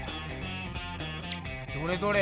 どれどれ？